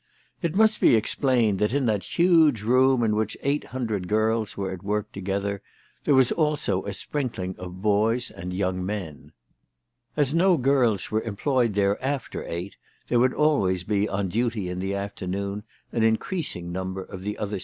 It must be explained that in that huge room in which eight hundred girls were at work together, there was also a sprinkling of boys and young men. As no girls were employed there after eight there would always be on duty in the afternoon an increasing number of the other THE TELEGRAPH GIRL.